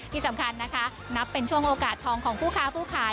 ที่สำคัญนะคะนับเป็นช่วงโอกาสทองของผู้ค้าผู้ขาย